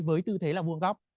với tư thế là vuông góc